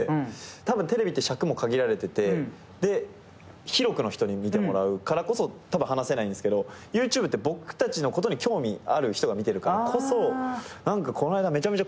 たぶんテレビって尺も限られててで広くの人に見てもらうからこそたぶん話せないんですけどＹｏｕＴｕｂｅって僕たちのことに興味ある人が見てるからこそ何かこの間めちゃめちゃ